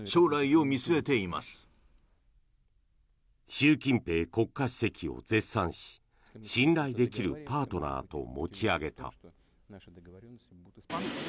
習近平国家主席を絶賛し信頼できるパートナーと持ち上げた。